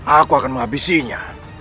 aku akan menghabisinya